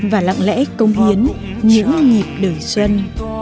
và lặng lẽ công hiến những nhịp đời xuân